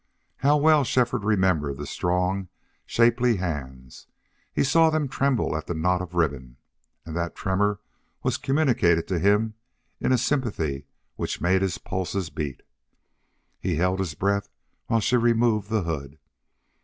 How well Shefford remembered the strong, shapely hands! He saw them tremble at the knot of ribbon, and that tremor was communicated to him in a sympathy which made his pulses beat. He held his breath while she removed the hood.